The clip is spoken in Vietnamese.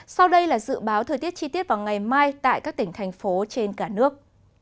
sau đây là dự báo thời tiết chi tiết vào ngày mai tại các tỉnh thành phố trên cả nước